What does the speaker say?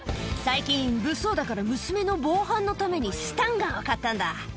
最近、物騒だから、娘の防犯のためにスタンガンを買ったんだ。